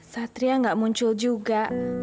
satria nggak muncul juga